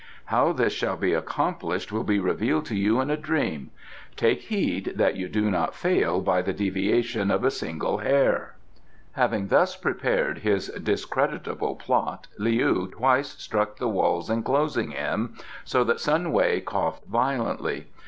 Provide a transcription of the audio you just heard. How this shall be accomplished will be revealed to you in a dream: take heed that you do not fail by the deviation of a single hair." Having thus prepared his discreditable plot, Leou twice struck the walls enclosing him, so that Sun Wei coughed violently.